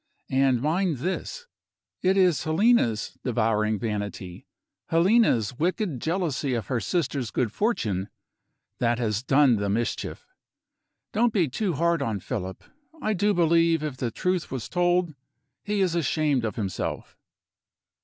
And mind this it is Helena's devouring vanity, Helena's wicked jealousy of her sister's good fortune, that has done the mischief. Don't be too hard on Philip? I do believe, if the truth was told, he is ashamed of himself."